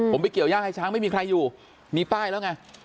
ผมไปเกี่ยวย่างให้ช้างไม่มีใครอยู่มีป้ายแล้วไง